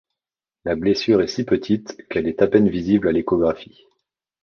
La blessure est si petite qu'elle est à peine visible à l'échographie.